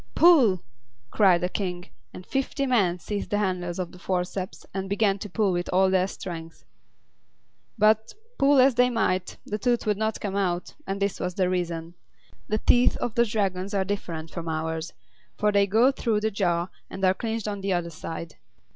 "Pull!" cried the King; and fifty men seized the handles of the forceps and began to pull with all their strength. But, pull as they might, the tooth would not come out, and this was the reason: The teeth of Dragons are different from ours, for they go through the jaw and are clinched on the other side.